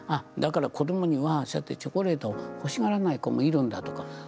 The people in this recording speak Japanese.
だから子どもにはそうやってチョコレートを欲しがらない子もいるんだとか。